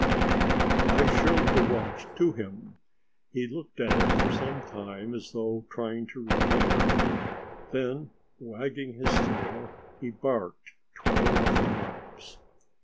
I showed the watch to him. He looked at it for some time, as though trying to remember, then, wagging his tail, he barked twelve times.